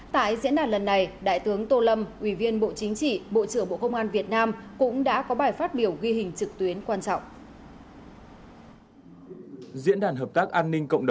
tại diễn đàn lần này đại tướng tô lâm ủy viên bộ chính trị bộ trưởng bộ công an việt nam cũng đã có bài phát biểu ghi hình trực tuyến quan trọng